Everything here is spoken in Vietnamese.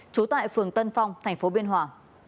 trú tại phường tân phong tp biên hòa